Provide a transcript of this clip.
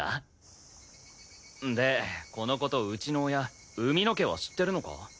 でこの事うちの親海野家は知ってるのか？